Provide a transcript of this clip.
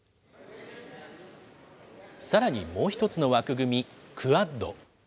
さらにもう１つの枠組み、クアッド。